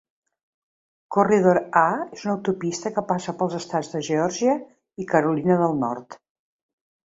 Corridor A és una autopista que passa pels estats de Geòrgia i Carolina del Nord.